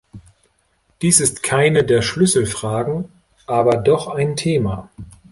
Dies ist keine der Schlüsselfragen, aber doch ein Thema.